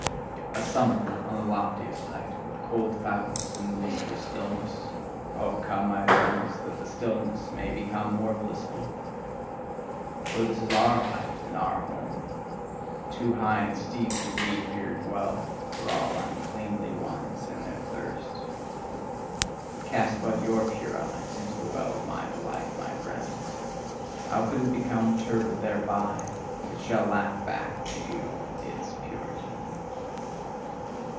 A summer on the loftiest height, with cold fountains and blissful stillness: oh, come, my friends, that the stillness may become more blissful! For this is OUR height and our home: too high and steep do we here dwell for all uncleanly ones and their thirst. Cast but your pure eyes into the well of my delight, my friends! How could it become turbid thereby! It shall laugh back to you with ITS purity.